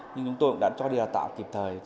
nhưng chúng tôi cũng đã cho đi là tạo kịp thời